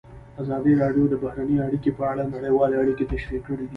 ازادي راډیو د بهرنۍ اړیکې په اړه نړیوالې اړیکې تشریح کړي.